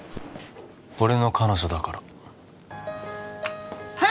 俺の彼女だからへっ！？